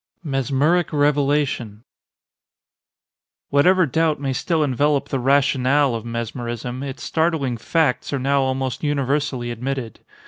MESMERIC REVELATION Whatever doubt may still envelop the rationale of mesmerism, its startling facts are now almost universally admitted.